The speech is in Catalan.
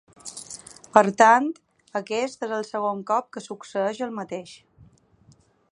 Per tant, aquest és el segon cop que succeeix el mateix.